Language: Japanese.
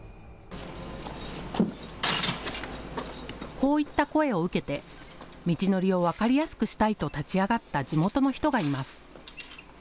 こういった声を受けて道のりを分かりやすくしたいと立ち上がった地元の人がいます。